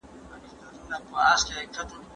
حکومت د بورې نرخ وټاکه.